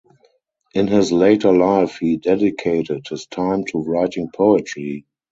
In his later life he dedicated his time to writing poetry.